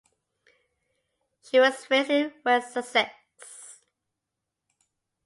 She was raised in West Sussex.